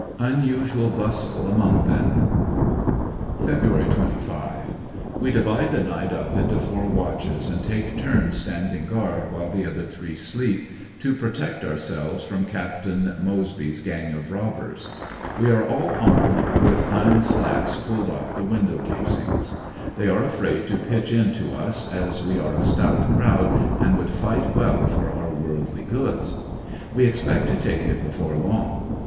Unusual bustle among them. '€<;i4 e^i^^ti^t. 'T 86 ANDERSONVILLE DIAR Y. Feb 25. — We divide the night up into four watches and take turns standing guard while the other three sleep, to protect our selves from Captain Mosebj^'s gang of robbers. We are all armed with iron slats pulled off the window casuigs. They are afraid to pitch in to us, as we are a stout crowd and would fight well for our worldly goods. We expect to take it before long.